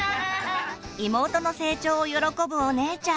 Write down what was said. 妹の成長を喜ぶお姉ちゃん。